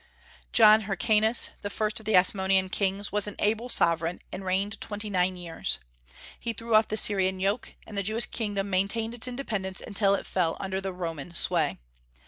John Hyrcanus, the first of the Asmonean kings, was an able sovereign, and reigned twenty nine years. He threw off the Syrian yoke, and the Jewish kingdom maintained its independence until it fell under the Roman sway.